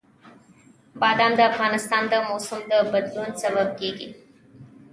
بادام د افغانستان د موسم د بدلون سبب کېږي.